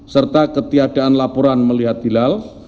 serta ketiadaan laporan melihat hilal